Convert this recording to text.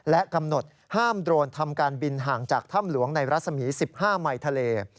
และกำหนดห้ามโดรนทำการบินห่างจากถ้ำหลวงในรัศมี๑๕ไมค์ทะเล